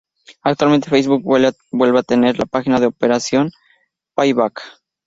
Actualmente Facebook vuelve a tener la página de Operation Payback.